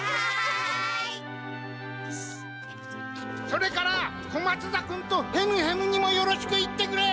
それから小松田君とヘムヘムにもよろしく言ってくれ！